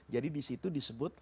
jadi disitu disebut